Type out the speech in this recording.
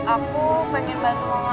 aku pengen bantu mama